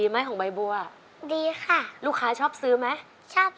แล้วน้องใบบัวร้องได้หรือว่าร้องผิดครับ